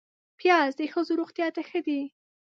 پیاز د ښځو روغتیا ته ښه دی